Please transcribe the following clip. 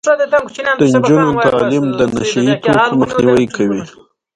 د نجونو تعلیم د نشه يي توکو مخنیوی کوي.